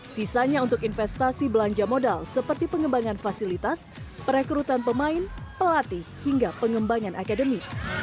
sisanya untuk investasi belanja modal seperti pengembangan fasilitas perekrutan pemain pelatih hingga pengembangan akademi